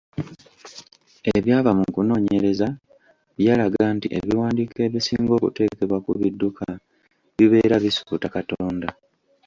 Ebyava mu kunoonyereza byalaga nti ebiwandiiko ebisinga okuteekebwa ku bidduka bibeera bisuuta Katonda.